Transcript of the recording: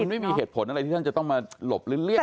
ไม่มีเหตุผลอะไรที่ท่านจะต้องมาหลบหรือเลี่ยง